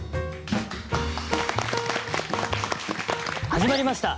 始まりました。